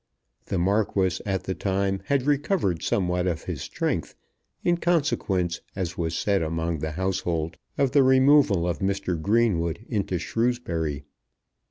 The Marquis at the time had recovered somewhat of his strength, in consequence, as was said among the household, of the removal of Mr. Greenwood into Shrewsbury.